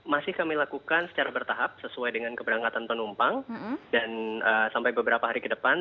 masih kami lakukan secara bertahap sesuai dengan keberangkatan penumpang dan sampai beberapa hari ke depan